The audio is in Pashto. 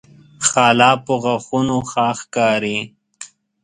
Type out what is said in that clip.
خله په غاښو ښه ښکاري.